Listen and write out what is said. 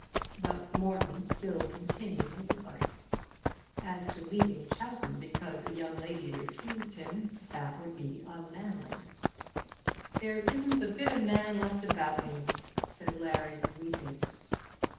But Morton still continued his advice. As to leaving Chowton because a young lady refused him, that would be unmanly "There isn't a bit of a man left about me," said Larry weeping.